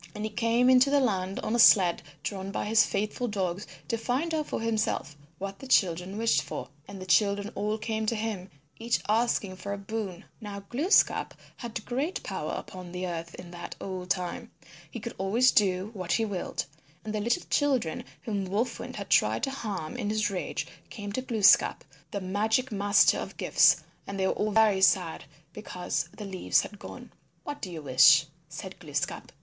And he came into the land on a sled drawn by his faithful dogs to find out for himself what the children wished for. And the children all came to him each asking for a boon. Now Glooskap had great power upon the earth in that old time. He could always do what he willed. And the little children whom Wolf Wind had tried to harm in his rage came to Glooskap, the Magic Master of gifts, and they were all very sad because the leaves had gone. "What do you wish?" said Glooskap.